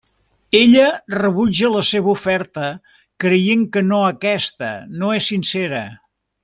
Ella rebutja la seva oferta creient que no aquesta no és sincera.